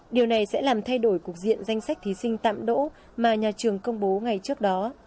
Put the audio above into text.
điều này sẽ làm thay đổi cuộc diện danh sách thí sinh tạm đỗ mà nhà trường công bố ngày trước đó